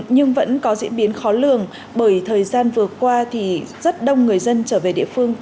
nhưng vẫn có diễn biến khó lường bởi thời gian vừa qua thì rất đông người dân trở về địa phương